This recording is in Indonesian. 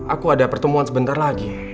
aku ada pertemuan sebentar lagi